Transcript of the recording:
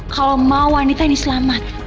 kalau mau wanita ini selamat